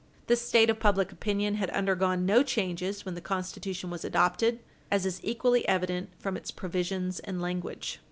This state of public opinion had undergone no change when the Constitution was adopted, as is equally evident from its provisions and language.